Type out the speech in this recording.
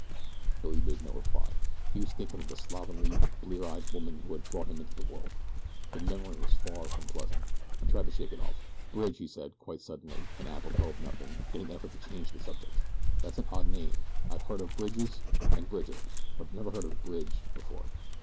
Billy made no reply. He was thinking of the slovenly, blear eyed woman who had brought him into the world. The memory was far from pleasant. He tried to shake it off. "'Bridge,'" he said, quite suddenly, and apropos of nothing, in an effort to change the subject. "That's an odd name. I've heard of Bridges and Bridger; but I never heard Bridge before."